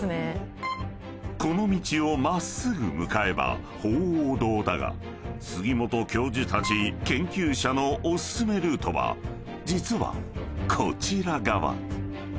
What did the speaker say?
［この道を真っすぐ向かえば鳳凰堂だが杉本教授たち研究者のお薦めルートは実はこちら側］